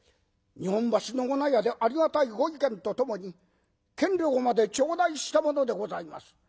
「日本橋のお納屋でありがたいご意見とともに見料まで頂戴した者でございます」。